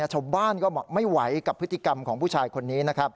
ชาวบ้านก็ไม่ไหวกับพฤติกรรมของผู้ชายคนนี้นะครับ